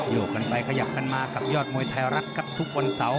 ยกไปขยับมากับยอดมวยไทยรักกับทุกวันเสา